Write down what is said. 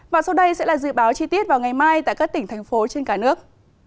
và sau đây sẽ là dự báo chi tiết vào ngày mai tại các tỉnh thành phố trên cả nước